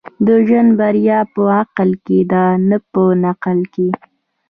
د ژوند بريا په عقل کي ده، نه په نقل کي.